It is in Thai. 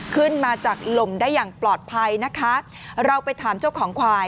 ขึ้นมาจากลมได้อย่างปลอดภัยนะคะเราไปถามเจ้าของควาย